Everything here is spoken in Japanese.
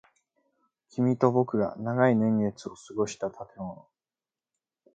君と僕が長い年月を過ごした建物。